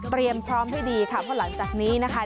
เปรียมพร้อมให้ดีค่ะหลังจากนี้นะคะ